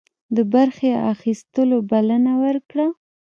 د برخي اخیستلو بلنه ورکړه.